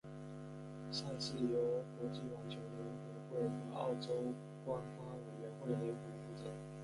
赛事由国际网球联合会和澳网官方委员会联合负责。